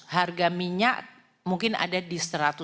harga minyak mungkin ada di satu ratus lima puluh